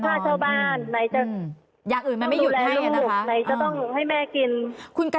จะฆ่าเช้าบ้านไหนจะต้องดูแลลูกไหนจะต้องให้แม่กิน